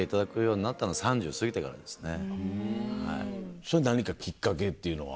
それ何かきっかけっていうのは？